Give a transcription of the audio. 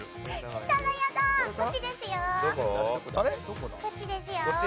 こっちですよ！